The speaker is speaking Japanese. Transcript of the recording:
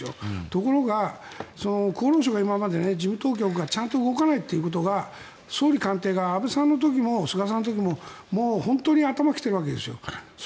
ところが厚労省が今まで事務当局がちゃんと動かないということが総理官邸が安倍さんの時も菅さんの時も本当に頭にきているわけですよ。